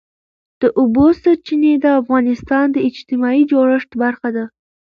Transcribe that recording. د اوبو سرچینې د افغانستان د اجتماعي جوړښت برخه ده.